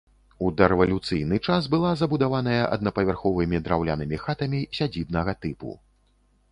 У дарэвалюцыйны час была забудаваная аднапавярховымі драўлянымі хатамі сядзібнага тыпу.